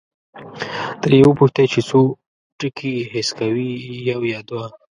ترې وپوښتئ چې څو ټکي حس کوي، یو یا دوه؟